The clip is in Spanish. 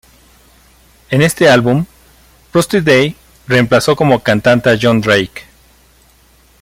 En este álbum, Rusty Day reemplazó como cantante a John Drake.